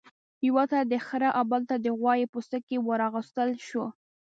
یوه ته د خرۀ او بل ته د غوايي پوستکی ورواغوستل شو.